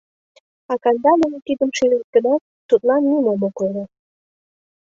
А Кандалин, тидым шижеш гынат, тудлан нимом ок ойло.